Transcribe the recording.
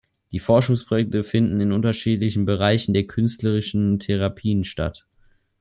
Die Forschungsprojekte finden in unterschiedlichen Bereichen der Künstlerischen Therapien statt.